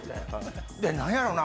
何やろな？